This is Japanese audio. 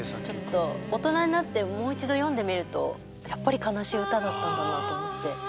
ちょっと大人になってもう一度読んでみるとやっぱり悲しい歌だったんだなと思って。